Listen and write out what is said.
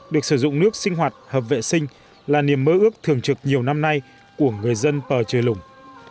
được sử dụng nước sinh hoạt hợp vệ sinh là niềm mơ ước thường trực nhiều năm nay của người dân pờ trời lùng